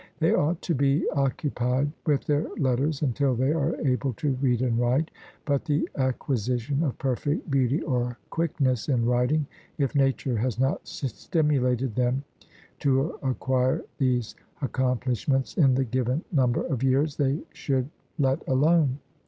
They ought to be occupied with their letters until they are able to read and write; but the acquisition of perfect beauty or quickness in writing, if nature has not stimulated them to acquire these accomplishments in the given number of years, they should let alone.